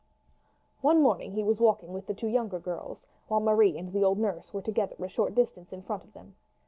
One morning he was walking with the two younger girls, while Marie and the old nurse were together a short distance in front of them.